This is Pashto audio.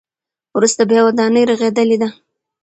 وروسته بیا ودانۍ رغېدلې ده.